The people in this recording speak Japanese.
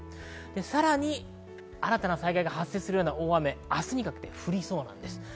さらに新たな災害が発生するような大雨が明日にかけて降りそうです。